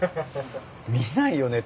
見ないよね